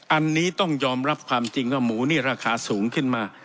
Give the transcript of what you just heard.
อันนี้ต้องยอมรับความจริงว่าหมูนี่ราคาสูงขึ้นมา